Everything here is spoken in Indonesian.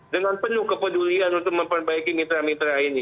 dengan penuh kepedulian untuk memperbaiki mitra mitra ini